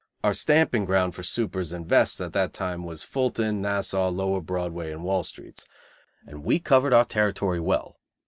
Our stamping ground for supers and vests at that time was Fulton, Nassau, Lower Broadway and Wall Streets, and we covered our territory well.